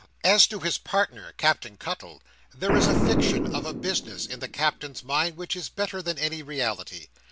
As to his partner, Captain Cuttle, there is a fiction of a business in the Captain's mind which is better than any reality.